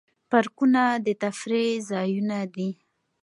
پارکونه د تفریح ځایونه دي